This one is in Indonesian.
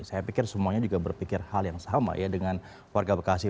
saya pikir semuanya juga berpikir hal yang sama ya dengan warga bekasi